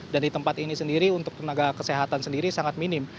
dan di tempat ini sendiri untuk tenaga kesehatan sendiri sangat minim